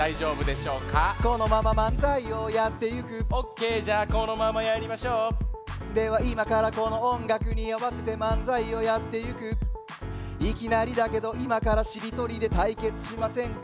このまままんざいをやってゆくオッケーじゃあこのままやりましょうではいまからこのおんがくにあわせてまんざいをやってゆくいきなりだけどいまからしりとりでたいけつしませんか？